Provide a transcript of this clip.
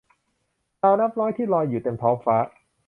ดาวนับร้อยที่ลอยอยู่เต็มท้องฟ้า